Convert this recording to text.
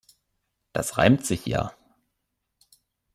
Das reimt sich ja.